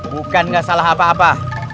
bukan nggak salah apa apa